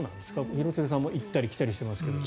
廣津留さんも行ったり来たりしてますが。